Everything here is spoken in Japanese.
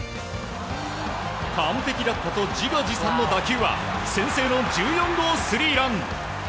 完璧だったと自画自賛の打球は先制の１４号スリーラン。